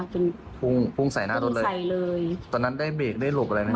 พุ่งใส่หน้ารถเลยตอนนั้นได้เบรกได้หลบอะไรไหม